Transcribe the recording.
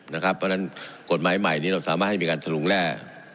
เพราะฉะนั้นกฎหมายใหม่นี้เราสามารถให้มีการสรุงแร่